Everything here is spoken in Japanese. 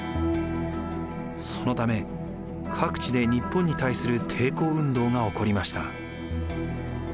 そのため各地で日本に対する抵抗運動が起こりました。